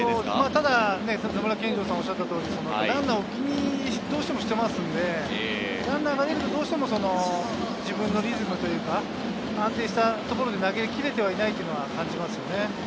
ただ野村さんがおっしゃったようにランナーをどうしても気にしているのでランナーが出ると、どうしても自分のリズムというか、安定したところで投げきれていないというのを感じますね。